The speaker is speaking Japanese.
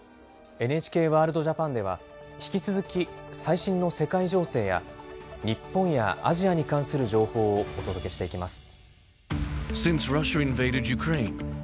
「ＮＨＫワールドＪＡＰＡＮ」では引き続き最新の世界情勢や日本やアジアに関する情報をお届けしていきます。